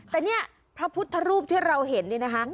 แต่เนี่ยพระพุทธรูปที่เราเห็นนี่นะคะ